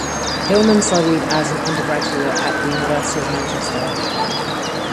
Hillman studied as an undergraduate at the University of Manchester.